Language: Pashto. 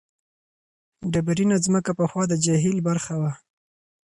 ډبرینه ځمکه پخوا د جهیل برخه وه.